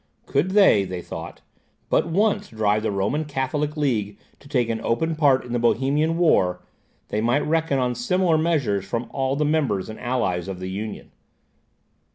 Could they, they thought, but once drive the Roman Catholic League to take an open part in the Bohemian war, they might reckon on similar measures from all the members and allies of the Union.